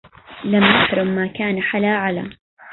لم يحرم ما كان حلا على